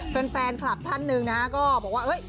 แฟนคลับท่านหนึ่งนะฮะก็บอกว่า